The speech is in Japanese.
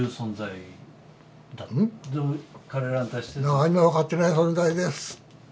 何も分かってない存在です。